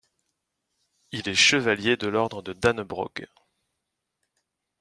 Il est chevalier de l'ordre de Dannebrog.